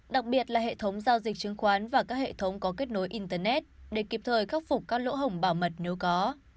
đặc biệt là hệ thống giao dịch chứng khoán và các hệ thống có kết nối internet để kịp thời khắc phục các lỗ hổng bảo mật nếu có